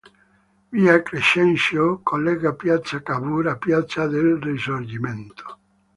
Via Crescenzio collega piazza Cavour a piazza del Risorgimento.